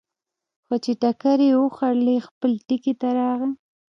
خو چې ټکرې یې وخوړلې، خپل ټکي ته راغی.